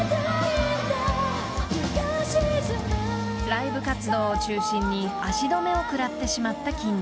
［ライブ活動を中心に足止めを食らってしまった近年］